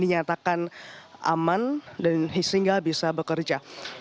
dinyatakan aman dan sehingga bisa bekerja